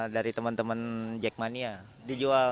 dari teman teman jackmania dijual